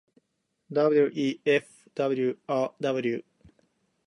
wefwrw